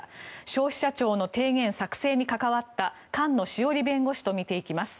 消費者庁の提言作成に関わった菅野志桜里弁護士と見ていきます。